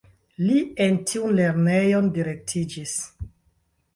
Li en tiun lernejon direktiĝis.